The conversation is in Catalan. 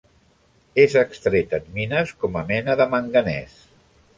És extret en mines com a mena de manganès.